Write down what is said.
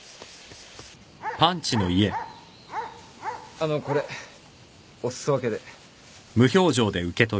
あのこれお裾分けで。